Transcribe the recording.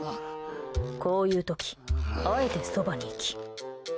こういう時あえてそばに行き。